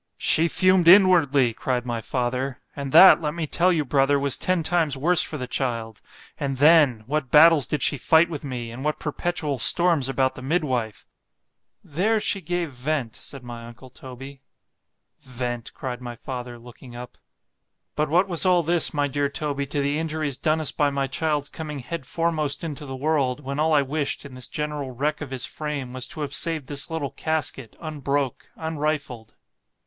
——She fumed inwardly, cried my father; and that, let me tell you, brother, was ten times worse for the child—and then! what battles did she fight with me, and what perpetual storms about the midwife.——There she gave vent, said my uncle Toby.——Vent! cried my father, looking up. But what was all this, my dear Toby, to the injuries done us by my child's coming head foremost into the world, when all I wished, in this general wreck of his frame, was to have saved this little casket unbroke, unrifled.